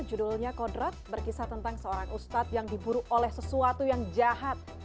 judulnya kodrat berkisah tentang seorang ustadz yang diburu oleh sesuatu yang jahat